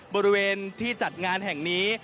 บริเวณที่จัดงานแห่งนี้